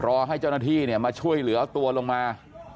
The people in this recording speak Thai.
รอให้เจ้าหน้าที่มาช่วยเหลือเอาตัวลงมา